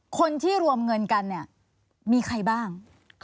คนที่รวมเงินกันเนี่ยมีใครบ้าง